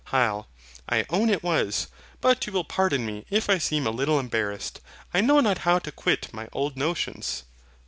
HYL. I own it was; but you will pardon me if I seem a little embarrassed: I know not how to quit my old notions.